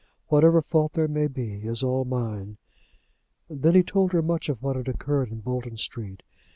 Whatever fault there may be, is all mine." Then he told her much of what had occurred in Bolton Street.